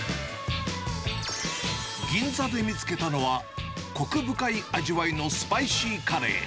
銀座で見つけたのは、こく深い味わいのスパイシーカレー。